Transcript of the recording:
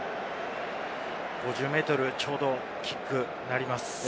５０ｍ、ちょうどキックになります。